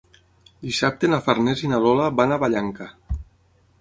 Dissabte na Farners i na Lola van a Vallanca.